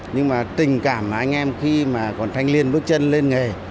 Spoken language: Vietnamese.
nhưng mà tình cảm mà anh em khi mà còn thanh niên bước chân lên nghề